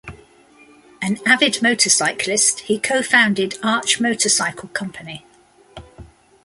An avid motorcyclist, he co-founded Arch Motorcycle Company.